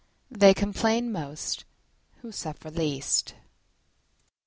They complain most who suffer least.